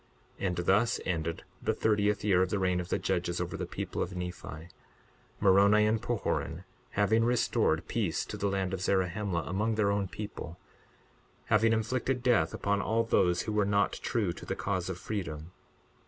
62:11 And thus ended the thirtieth year of the reign of the judges over the people of Nephi; Moroni and Pahoran having restored peace to the land of Zarahemla, among their own people, having inflicted death upon all those who were not true to the cause of freedom.